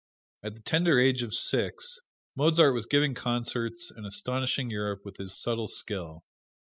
At the tender age of six, Mozart was giving concerts and astonishing Europe with his subtle skill.